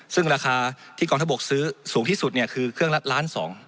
ซึ่งราคาที่กองทบกซื้อสูงที่สุดคือเครื่องละล้านสอง